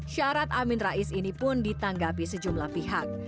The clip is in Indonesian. syarat amin rais ini pun ditanggapi sejumlah pihak